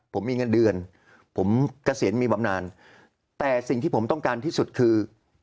ผมมีเงินเดือนผมเกษียณมีบำนานแต่สิ่งที่ผมต้องการที่สุดคือ